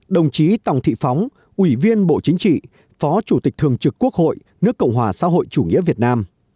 đồng chí tòng thị phóng ủy viên bộ chính trị phó chủ tịch thường trực quốc hội nước cộng hòa xã hội chủ nghĩa việt nam